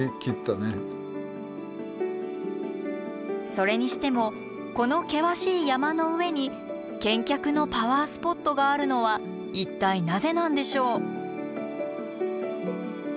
それにしてもこの険しい山の上に健脚のパワースポットがあるのは一体なぜなんでしょう？